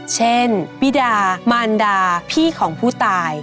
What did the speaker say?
บิดามารดาพี่ของผู้ตาย